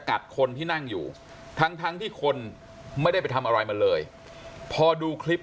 คนที่นั่งอยู่ทั้งทั้งที่คนไม่ได้ไปทำอะไรมันเลยพอดูคลิป